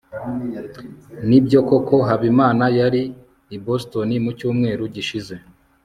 nibyo koko habimana yari i boston mucyumweru gishize